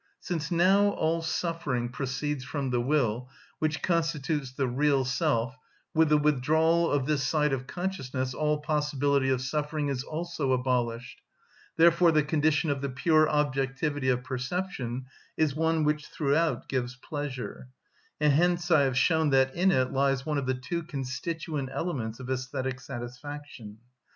Since now all suffering proceeds from the will, which constitutes the real self, with the withdrawal of this side of consciousness all possibility of suffering is also abolished; therefore the condition of the pure objectivity of perception is one which throughout gives pleasure; and hence I have shown that in it lies one of the two constituent elements of æsthetic satisfaction.